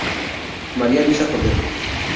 María Luisa Cordero.